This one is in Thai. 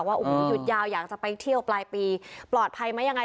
หยุดยาวอยากจะไปเที่ยวปลายปีปลอดภัยไหมยังไง